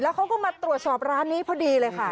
เขาก็มาตรวจสอบร้านนี้พอดีเลยค่ะ